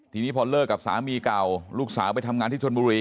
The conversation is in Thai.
ทีนี้พอเลิกกับสามีเก่าลูกสาวไปทำงานที่ชนบุรี